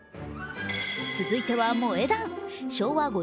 続いては萌え断。